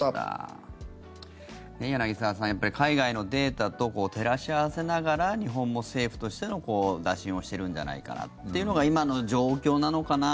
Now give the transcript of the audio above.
柳澤さん、海外のデータと照らし合わせながら日本も政府としての打診をしているんじゃないかというのが今の状況なのかな。